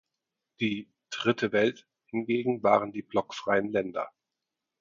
Die „Dritte Welt“ hingegen waren die blockfreien Länder.